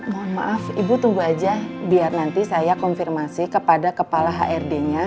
mohon maaf ibu tunggu aja biar nanti saya konfirmasi kepada kepala hrd nya